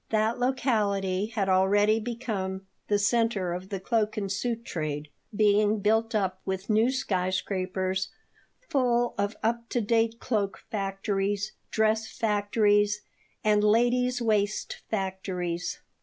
That locality had already become the center of the cloak and suit trade, being built up with new sky scrapers, full of up to date cloak factories, dress factories, and ladies' waist factories.